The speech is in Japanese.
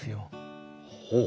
ほう。